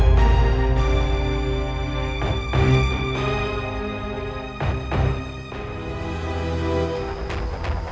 buat haris begini lah anh